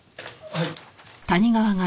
はい。